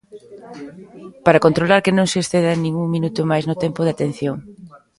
Para controlar que non se excedan nin un minuto máis no tempo de atención.